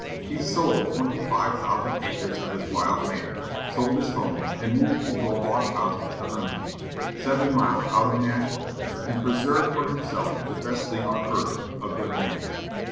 He sold twenty five thousand acres of his wild land, sold his home, and moved into a log house at the Hermitage, seven miles out from Nashville, and preserved for himself the best thing on earth, a good name.